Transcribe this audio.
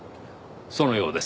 そのようです。